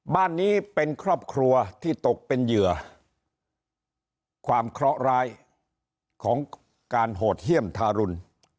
บ้านนี้เป็นครอบครัวที่ตกเป็นเหยื่อความเคราะหร้ายของการโหดเยี่ยมทารุณ